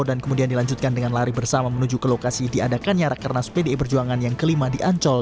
dan kemudian dilanjutkan dengan lari bersama menuju ke lokasi di adakan nyarak keranas pdi perjuangan yang kelima di ancol